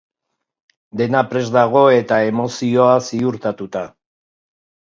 Dena prest dago eta emozioa ziurtatuta.